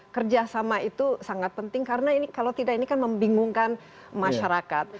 kerjasama itu sangat penting karena kalau tidak ini kan membingungkan masyarakat